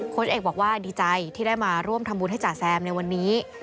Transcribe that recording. เอกบอกว่าดีใจที่ได้มาร่วมทำบุญให้จ่าแซมในวันนี้